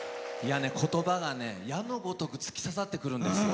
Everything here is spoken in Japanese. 言葉が矢のごとく突き刺さってくるんですよ。